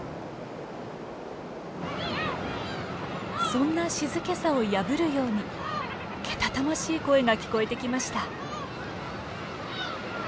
そんな静けさを破るようにけたたましい声が聞こえてきました。